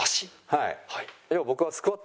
はい。